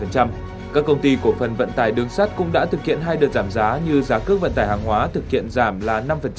các công ty cổ phần vận tải đường sắt cũng đã thực hiện hai đợt giảm giá như giá cước vận tải hàng hóa thực hiện giảm là năm